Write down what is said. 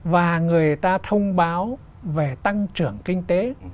và người ta thông báo về tăng trưởng kinh tế